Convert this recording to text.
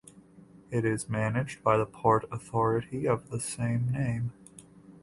It is managed by the port authority of the same name.